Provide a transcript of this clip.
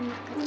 ntar aku ketik